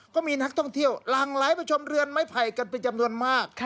ก็มีนักท่องเที่ยวหลั่งไหลไปชมเรือนไม้ไผ่กันเป็นจำนวนมาก